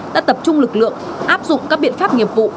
đã tập trung lực lượng áp dụng các biện pháp nghiệp vụ